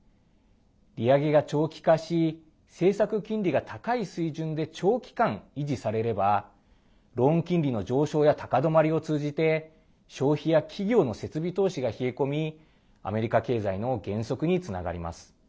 利上げが長期化し、政策金利が高い水準で長期間維持されればローン金利の上昇や高止まりを通じて消費や企業の設備投資が冷え込みアメリカ経済の減速につながります。